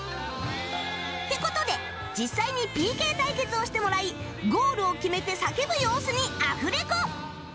って事で実際に ＰＫ 対決をしてもらいゴールを決めて叫ぶ様子にアフレコ